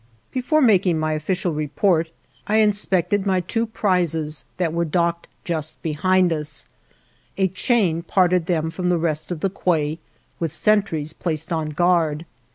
Before making my official report I inspected my two prizes that were docked just behind us; a chain parted them from the rest of the quay, with sentries placed on guard.